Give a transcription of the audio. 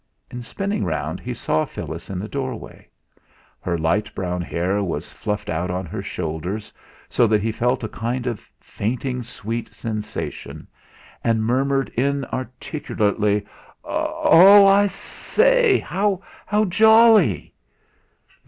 And spinning round he saw Phyllis in the doorway. Her light brown hair was fluffed out on her shoulders, so that he felt a kind of fainting sweet sensation, and murmured inarticulately: "Oh! I say how jolly!"